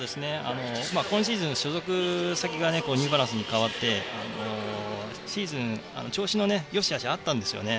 今シーズン、所属先がニューバランスに変わってシーズン、調子のよしあしあったんですよね。